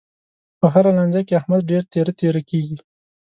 په هره لانجه کې، احمد ډېر تېره تېره کېږي.